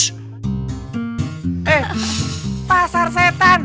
eh pasar setan